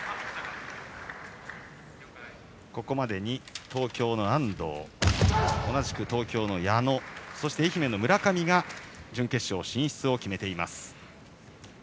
ここまでに東京の安藤同じく東京の矢野そして愛媛の村上が準決勝進出を決めています。